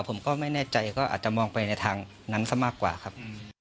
ผมก็ไม่แน่ใจก็อาจจะมองไปในทางนั้นซะมากกว่าครับ